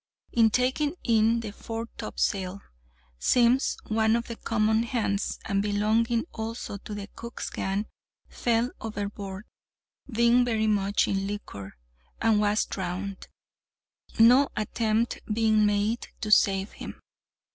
In taking in the foretopsail, Simms, one of the common hands, and belonging also to the cook's gang, fell overboard, being very much in liquor, and was drowned—no attempt being made to save him.